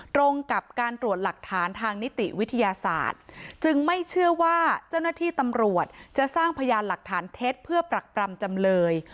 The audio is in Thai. ตรงกับการตรวจหลักฐานทางนิติวิทยาศาสตร์จึงไม่เชื่อว่าเจ้าหน้าที่ตำรวจจะสร้างพยานหลักฐานเท็จเพื่อปรักปรำจำเลย